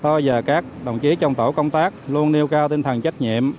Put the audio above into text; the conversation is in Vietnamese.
lo và các đồng chí trong tổ công tác luôn nêu cao tinh thần trách nhiệm